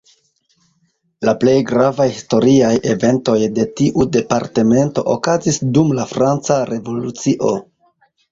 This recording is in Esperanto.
La plej gravaj historiaj eventoj de tiu departemento okazis dum la franca Revolucio.